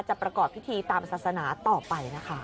ประกอบพิธีตามศาสนาต่อไปนะคะ